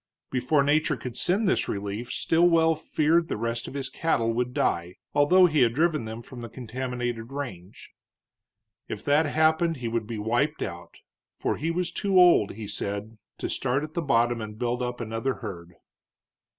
Before nature could send this relief Stilwell feared the rest of his cattle would die, although he had driven them from the contaminated range. If that happened he would be wiped out, for he was too old, he said, to start at the bottom and build up another herd.